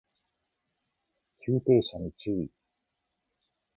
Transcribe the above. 急停車に注意